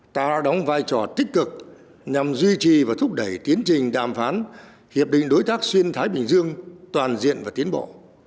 ta đã đóng vai trò tích cực nhằm duy trì và thúc đẩy tiến trình đàm phán hiệp định đối tác xuyên thái bình dương toàn diện và tiến bộ